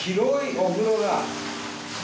お風呂が。